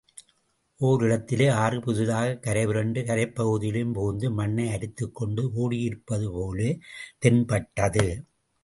ஓர் இடத்திலே ஆறு புதிதாகக் கரை புரண்டு கரைப் பகுதியிலும் புகுந்து மண்ணை அரித்துக்கொண்டு ஓடியிருப்பது போலத் தென்பட்டது.